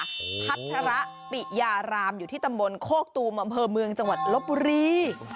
พัฒระปิยารามอยู่ที่ตำบลโคกตูมอำเภอเมืองจังหวัดลบบุรี